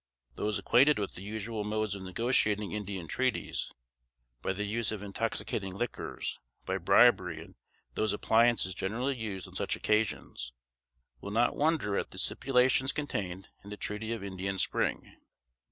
Those acquainted with the usual modes of negotiating Indian treaties, by the use of intoxicating liquors, by bribery, and those appliances generally used on such occasions, will not wonder at the stipulations contained in the Treaty of "Indian Spring."